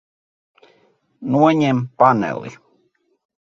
Noņem paneli.